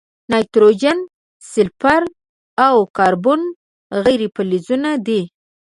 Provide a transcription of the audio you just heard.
نایتروجن، سلفر، او کاربن غیر فلزونه دي.